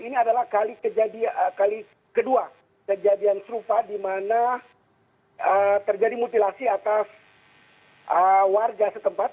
ini adalah kali kedua kejadian serupa di mana terjadi mutilasi atas warga setempat